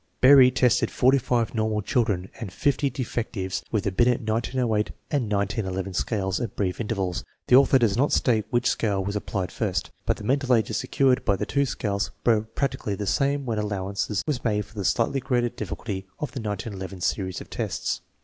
Berry tested 45 normal children and 50 defectives with the Binet 1908 and 1911 scales at brief intervals. The author does not state which scale was applied first, but the mental ages secured by the two scales were practically the same when allowance was made for the slightly greater difficulty of the 1911 series of tests.